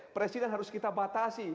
presiden harus kita batasi